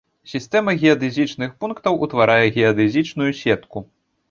Сістэма геадэзічных пунктаў утварае геадэзічную сетку.